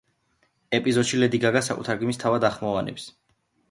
ეპიზოდში ლედი გაგა საკუთარ გმირს თავად ახმოვანებს.